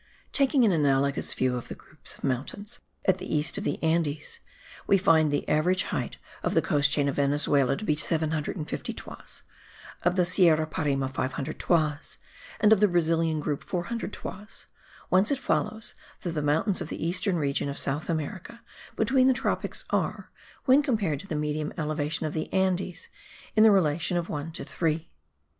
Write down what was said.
Taking an analogous view of the groups of mountains at the east of the Andes, we find the average height of the coast chain of Venezuela to be 750 toises; of the Sierra Parime, 500 toises; of the Brazilian group, 400 toises; whence it follows that the mountains of the eastern region of South America between the tropics are, when compared to the medium elevation of the Andes, in the relation of one to three.